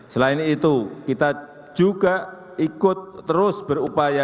selain itu kita juga ikut terus berupaya